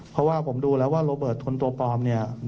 เพราะว่าผมดูแล้วว่าโรเบิร์ตคนตัวปลอมเนี่ย